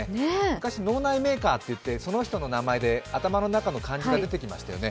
昔、脳内メーカーといって、その人の名前で頭の中の漢字が出てきましたよね。